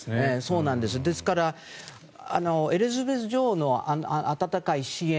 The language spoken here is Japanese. ですから、エリザベス女王の温かい支援